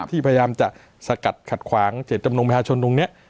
พยายามจะสกัดขัดขวางเจตจำนงประชาชนตรงนี้